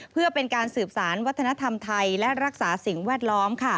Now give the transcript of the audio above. เพื่อเป็นการสืบสารวัฒนธรรมไทยและรักษาสิ่งแวดล้อม